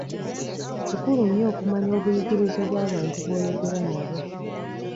Kikulu nnyo okumanya obuyigirize bw'abantu boyogera nabo.